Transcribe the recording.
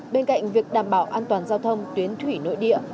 bên cạnh việc đảm bảo an toàn giao thông tuyến thủy nội địa